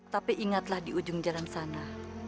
tapi ingatlah di ujung jalan sana